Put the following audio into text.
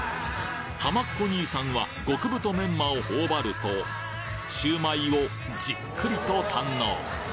ハマッ子兄さんは極太メンマを頬張るとシュウマイをじっくりと堪能！